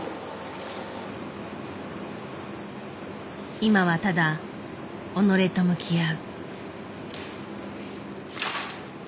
今はただ己と向き合う。